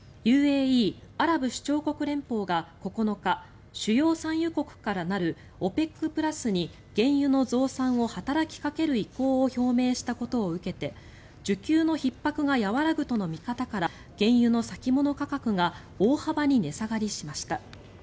ＵＡＥ・アラブ首長国連邦が９日主要産油国からなるＯＰＥＣプラスに原油の増産を働きかける意向を表明したことを受けて需給のひっ迫が和らぐとの見方から原油の先物価格が大幅に値下がりしました。